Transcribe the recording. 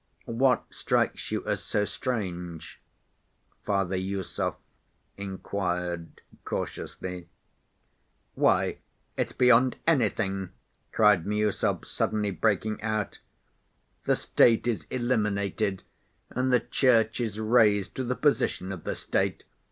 "What strikes you as so strange?" Father Iosif inquired cautiously. "Why, it's beyond anything!" cried Miüsov, suddenly breaking out; "the State is eliminated and the Church is raised to the position of the State.